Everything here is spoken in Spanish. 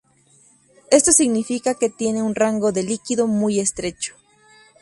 Esto significa que tiene un rango de líquido muy estrecho.